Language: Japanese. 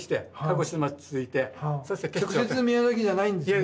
直接宮崎じゃないんですね。